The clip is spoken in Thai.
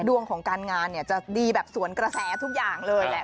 ดวงของการงานเนี่ยจะดีแบบสวนกระแสทุกอย่างเลยแหละ